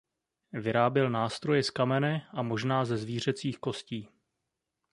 Vyráběl nástroje z kamene a možná ze zvířecích kostí.